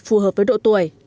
phù hợp với độ tuổi